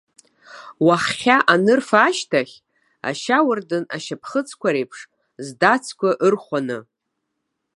Уаххьа анырфа ашьҭахь, ашьауардын ашьапхыцқәа реиԥш, здацқәа ырхәаны.